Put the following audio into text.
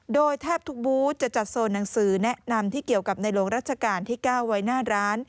โดยแทบทุกบูธจะจัดโซนหนังสือแนะนำที่เกี่ยวกับในหลวงรัชกาลที่๙ไว้หน้าร้าน